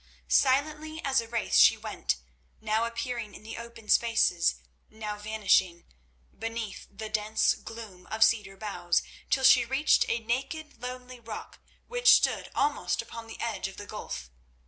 Silently as a wraith she went, now appearing in the open spaces, now vanishing, beneath the dense gloom of cedar boughs, till she reached a naked, lonely rock which stood almost upon the edge of the gulf.